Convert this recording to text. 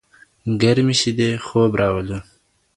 ګرمې شیدې خوب راولي.